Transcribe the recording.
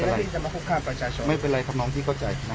แล้วพี่จะมาคุกข้ามต่อจ่ายชนไม่เป็นไรครับน้องพี่เข้าใจนะ